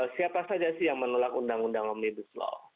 siapa saja sih yang menolak undang undang omnibuslo